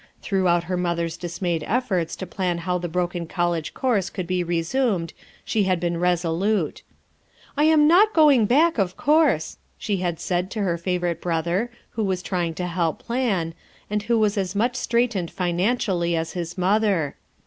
Throughout her mother's dismayed efforts to plan how the broken col lege course could be resumed she had been reso lute. "I am not going back, of course," she had said to her favorite brother who was trying to help plan, and who was as much straitened financially as his mother.